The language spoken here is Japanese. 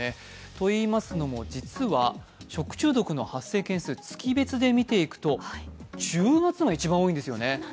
といいますのも、実は食中毒の発生件数、月別でみていきますと１０月が一番多いんですよね。